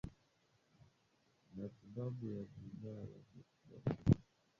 Matibabu ya visa vinavyobainika